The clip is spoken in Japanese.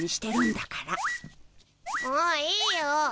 もういいよ。